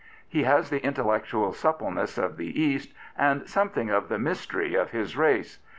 He has the intellectual suppleness of the East, and something of the mystery of his race.